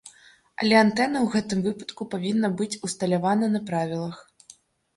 Але антэна ў гэтым выпадку павінна быць усталявана на правілах.